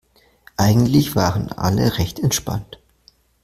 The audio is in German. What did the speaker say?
Eigentlich waren alle recht entspannt.